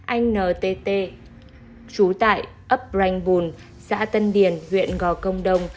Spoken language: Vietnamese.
anh ntt chú tại uprangbun xã tân điền huyện gò công đông